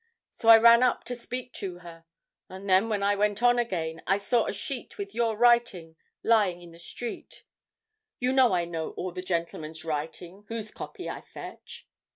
So I ran up to speak to her. And then when I went on again, I saw a sheet with your writing lying in the street. You know I know all the gentlemen's writing, whose copy I fetch.